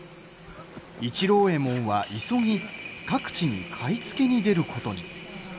市郎右衛門は急ぎ各地に買い付けに出ることに。